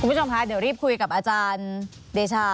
คุณผู้ชมคะเดี๋ยวรีบคุยกับอาจารย์เดชา